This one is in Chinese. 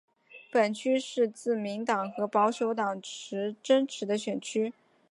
本区是自民党和保守党争持的选区。